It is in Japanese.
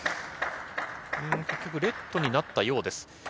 結局、レットになったようです。